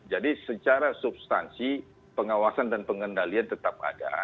jadi secara substansi pengawasan dan pengendalian tetap ada